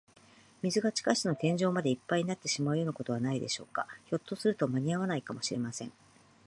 水が地下室の天井までいっぱいになってしまうようなことはないでしょうか。ひょっとすると、まにあわないかもしれません。